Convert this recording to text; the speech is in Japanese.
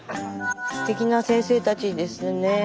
すてきな先生たちですね。